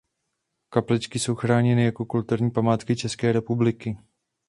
Kapličky jsou chráněny jako kulturní památky České republiky.